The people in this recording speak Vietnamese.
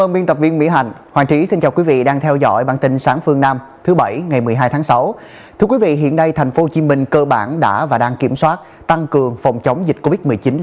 biên tập viên hoàng trí ngay sau đây sẽ chuyển đến quý vị